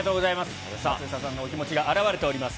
松下さんのお気持ちが表れております。